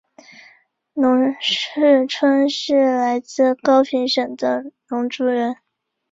农氏春是来自高平省的侬族人。